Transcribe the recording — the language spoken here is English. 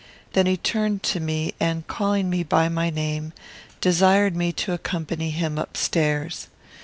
Then he turned to me, and, calling me by my name, desired me to accompany him up stairs.